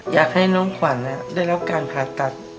อยากให้น้องขวัญได้รับการผ่าตัด